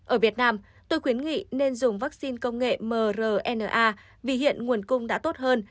ở việt nam tôi khuyến nghị nên dùng vaccine công nghệ mrna vì hiện nguồn cung đã tốt hơn